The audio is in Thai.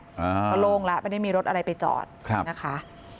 เพราะโล่งแล้วไม่ได้มีรถอะไรไปจอดนะคะ